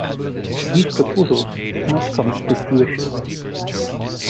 These proposals did not come to fruition.